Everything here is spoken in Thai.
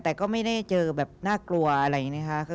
แต่ก็ก็ไม่ได้เจอแบบน่ากลัวอะไรนะค่ะ